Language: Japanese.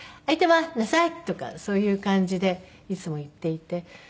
「愛てまなさい」とかそういう感じでいつも言っていて。